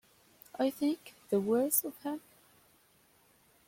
I think the worse of him?